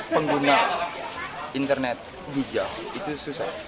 pengguna internet bijak itu susah